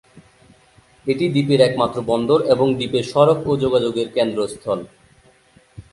এটি দ্বীপের একমাত্র বন্দর এবং দ্বীপের সড়ক ও যোগাযোগের কেন্দ্রস্থল।